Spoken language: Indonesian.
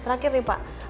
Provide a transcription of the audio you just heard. terakhir nih pak